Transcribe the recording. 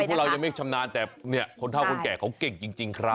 นั่นคือพวกเราไม่คุณชำนาญแต่คนเท่าคนแก่เขาเก่งจริงครับ